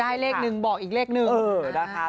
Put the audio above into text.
ได้เลข๑บอกอีกเลข๑